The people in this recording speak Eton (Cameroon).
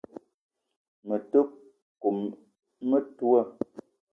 Me te kome metoua